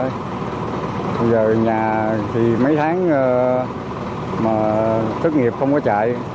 bây giờ nhà thì mấy tháng mà thất nghiệp không có chạy